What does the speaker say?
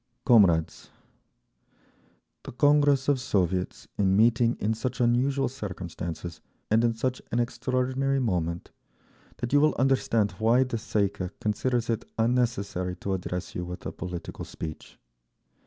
"Comrades! The Congress of Soviets in meeting in such unusual circumstances and in such an extraordinary moment that you will understand why the Tsay ee kah considers it unnecessary to address you with a political speech.